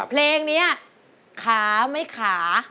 เพลงนี้ขาไม่ขา